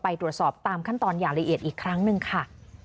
ไปตรวจสอบตามขั้นตอนอย่างละเอียดอีกครั้งหนึ่งค่ะ